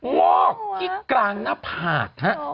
งอกกิ๊กกลางหน้าผาด